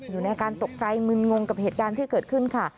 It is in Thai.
อยู่ในอาการตกใจมึนงงกับเหตุการณ์ที่เกิดขึ้นค่ะ